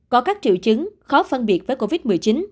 có các triệu chứng khó phân biệt với covid một mươi chín